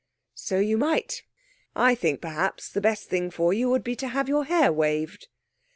'So you might. I think, perhaps, the best thing for you would be to have your hair waved.'